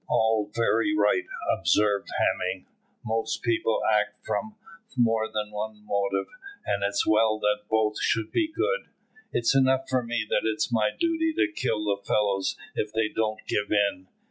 "All very right," observed Hemming; "most people act from more than one motive, and it's well that both should be good. It's enough for me that it's my duty to kill the fellows if they don't give in."